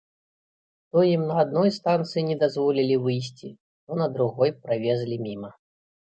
То ім на адной станцыі не дазволілі выйсці, то на другой правезлі міма.